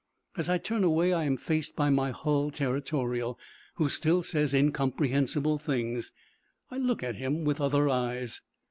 As I turn away I am faced by my Hull Territorial, who still says incomprehensible things. I look at him with other eyes.